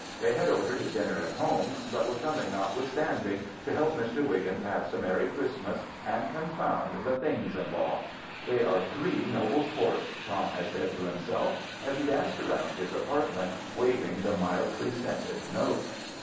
They had ordered dinner at home, but were coming notwith standing, to help Mr. Wiggin pass a merry Christmas and confound the things in law. " They are three noble sports," Tom had said to himself, as he danced around his apartment waving the mildly scented note.